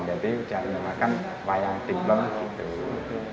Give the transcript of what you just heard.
jadi jadi namanya kan wayang timplong gitu